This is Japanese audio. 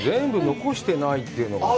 残してないというのがさ。